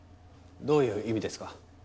どういう意味ですか？